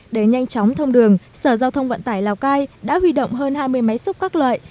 để nhanh chóng thông đường sở giao thông vận tải lào cai đã huy động hơn hai mươi máy xúc các loại